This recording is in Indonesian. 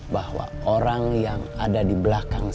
bahwa orang yang ada di belakang saya